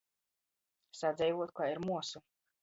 Sadzeivuot kai ar muosu.